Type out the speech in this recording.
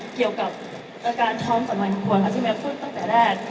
เกี่ยวกับอาการท้อมสำคัญของเราที่เราพูดตั้งแต่แรก